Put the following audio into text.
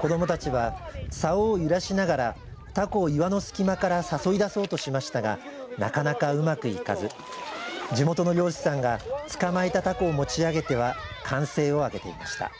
子どもたちはさおを揺らしながらタコを岩の隙間から誘い出そうとしましたがなかなかうまくいかず地元の漁師さんが捕まえたタコを持ち上げては歓声を上げていました。